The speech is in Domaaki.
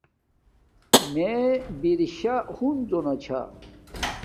میے برشا ہنزونا چھا